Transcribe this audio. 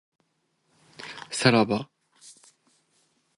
さらば